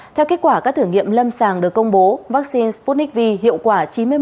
theo kết quả các thử nghiệm lâm sàng được công bố vaccine sputnik v hiệu quả chín mươi một